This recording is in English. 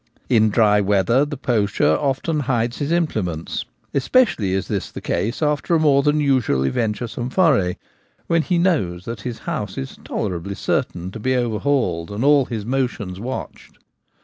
In dry weather the poacher often hides his imple ments : especially is this the case after a more than usually venturesome foray, when he knows that his house is tolerably certain to be overhauled and all his motions watched.